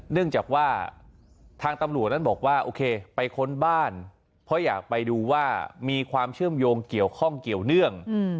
เนื่องจากว่าทางตำรวจนั้นบอกว่าโอเคไปค้นบ้านเพราะอยากไปดูว่ามีความเชื่อมโยงเกี่ยวข้องเกี่ยวเนื่อง